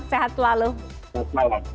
sehat selalu selamat malam